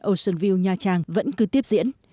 ocean view nha trang vẫn cứ tiếp diễn